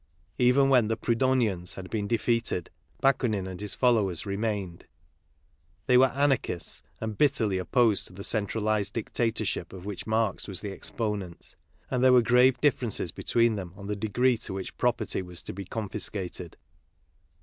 Even when the Proudhoniens had been defeated, Bakunin and his followers remained. They were anarchists and bitterly opposed to the cen tralized dictatorship of which Marx was the exponent; and there were grave differences between them on the degree to which property was to be confiscated.